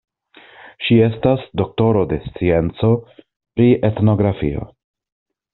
Ŝi estas doktoro de scienco pri etnografio.